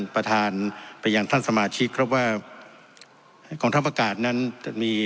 ประธานไปยังท่านสมาชิกครับว่ากองทัพอากาศนั้นจะมี